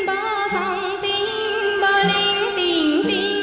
em ngồi đôi người đàn